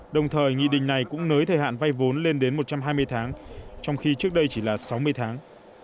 đồng thời nghị định này cũng nới thời hạn vay vốn lên đến một trăm hai mươi tháng trong khi trước đây chỉ là sáu mươi tháng